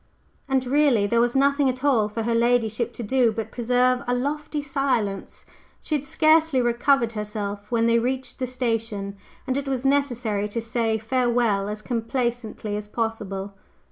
And really there was nothing at all for her ladyship to do but preserve a lofty silence. She had scarcely recovered herself when they reached the station, and it was necessary to say farewell as complacently as possible.